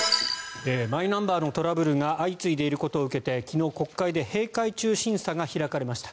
マイナンバーのトラブルが相次いでいることを受けて昨日、国会で閉会中審査が行われました。